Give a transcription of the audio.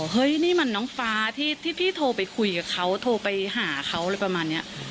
เฮ้ยนี่มันน้องฟ้าที่พี่โทรไปคุยกับเขาโทรไปหาเขาอะไรประมาณนี้